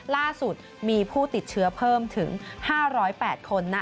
ล่าสุดมีผู้ติดเชื้อเพิ่มถึง๕๐๘คนนะ